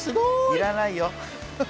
要らないよ。